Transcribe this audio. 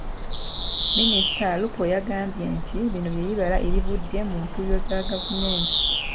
Minisita Alupo yagambye nti bino by'ebibala ebivudde mu ntuuyo za gavumenti.